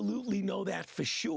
kita tidak tahu itu pasti